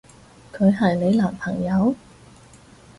佢係你男朋友？